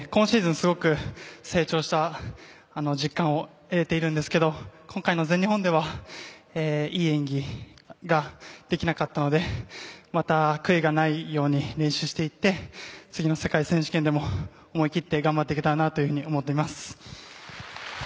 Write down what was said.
すごく成長した実感を得れているんですけど今回の全日本ではいい演技ができなかったのでまた、悔いがないように練習していって次の世界選手権でも思い切って頑張っていけたらと思います。